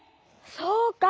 そうか。